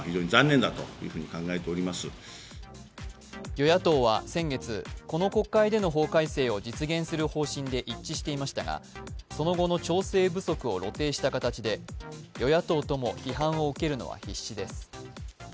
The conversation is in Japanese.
与野党は先月、この国会での法改正を実現する方針で一致していましたがその後の調整不足を露呈した形で与野党とも批判を受けるのは必至です。